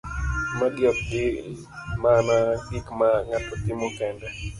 Magi ok gin mana gik ma ng'ato timo kende